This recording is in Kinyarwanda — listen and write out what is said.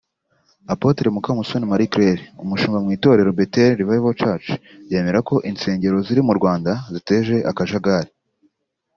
Apotre Mukamusoni Marie Claire umushumba mu Itorero “Bethel Revival Church” yemera ko insengero ziri mu Rwanda ziteje akajagari